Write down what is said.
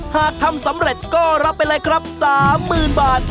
หากทำสำเร็จก็รับไปเลยครับ๓๐๐๐บาท